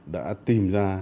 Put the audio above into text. đã tìm ra